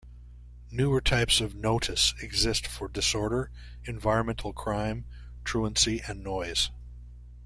Newer types of notice exist for disorder, environmental crime, truancy and noise.